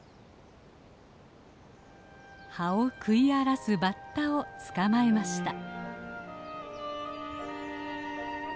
葉を食い荒らすバッタを捕まえました。